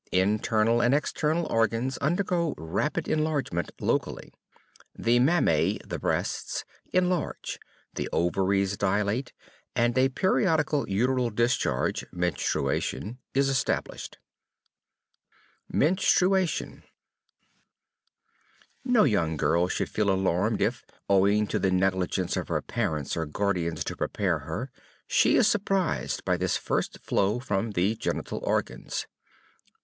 Internal and external organs undergo rapid enlargement, locally. The mammæ (the breasts) enlarge, the ovaries dilate, and a periodical uteral discharge (menstruation) is established. MENSTRUATION No young girl should feel alarmed if, owing to the negligence of her parents or guardians to prepare her, she is surprised by this first flow from the genital organs.